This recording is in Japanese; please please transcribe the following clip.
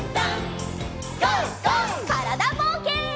からだぼうけん。